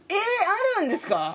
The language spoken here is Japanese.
あるんですか？